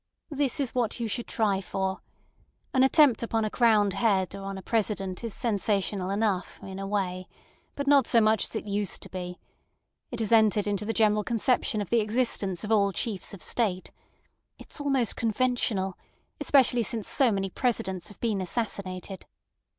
"This is what you should try for. An attempt upon a crowned head or on a president is sensational enough in a way, but not so much as it used to be. It has entered into the general conception of the existence of all chiefs of state. It's almost conventional—especially since so many presidents have been assassinated.